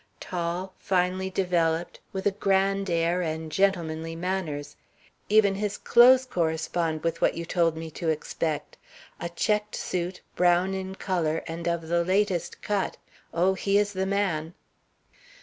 Tall, finely developed, with a grand air and gentlemanly manners. Even his clothes correspond with what you told me to expect: a checked suit, brown in color, and of the latest cut. Oh, he is the man!"